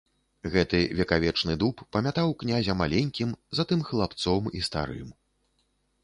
Гэты векавечны дуб памятаў князя маленькім, затым хлапцом і старым.